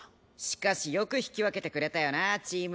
しかしよく引き分けてくれたよなチームＹ。